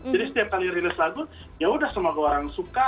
jadi setiap kali rilis lagu ya udah semua orang suka